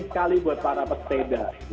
sekali buat para pesepeda